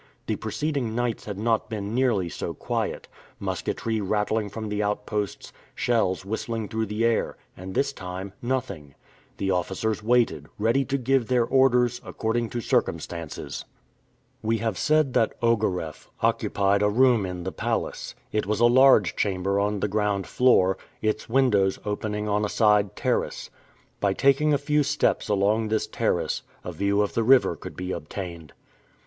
The preceding nights had not been nearly so quiet musketry rattling from the outposts, shells whistling through the air; and this time, nothing. The officers waited, ready to give their orders, according to circumstances. We have said that Ogareff occupied a room in the palace. It was a large chamber on the ground floor, its windows opening on a side terrace. By taking a few steps along this terrace, a view of the river could be obtained.